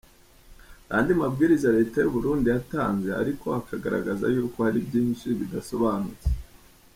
Hari andi mabwiriza leta y’u Burundi yatanze ariko akagaragaza yuko hari byinshi bidasobanutse.